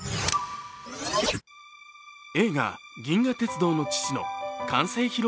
映画「銀河鉄道の父」の完成披露